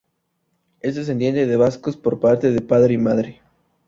Es descendiente de vascos por parte de padre y madre.